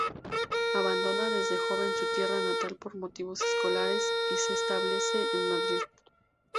Abandona desde joven su tierra natal por motivos escolares y se establece en Madrid.